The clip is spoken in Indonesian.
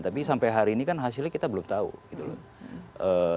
tapi sampai hari ini kan hasilnya kita belum tahu gitu loh